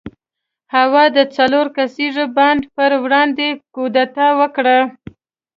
هوا د څلور کسیز بانډ پر وړاندې کودتا وکړه.